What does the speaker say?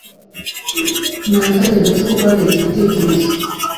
n'akanya gato ko guhagarika ibitekerezo